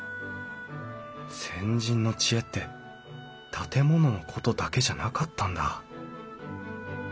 先人の知恵って建物のことだけじゃなかったんだ